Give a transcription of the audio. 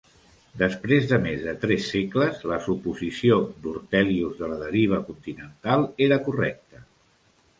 Després de més de tres segles, la suposició d'Ortelius de la deriva continental era correcta.